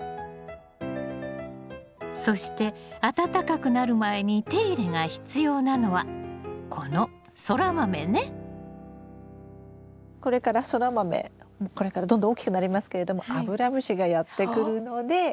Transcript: そして暖かくなる前に手入れが必要なのはこのこれからソラマメこれからどんどん大きくなりますけれどもアブラムシがやって来るので。